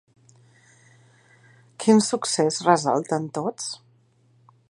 Quin succés ressalten tots?